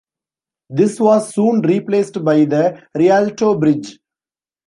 This was soon replaced by the Rialto Bridge.